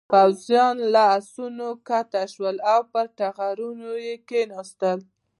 پوځيان له آسونو کښته شول او پر ټغرونو یې کېناستل.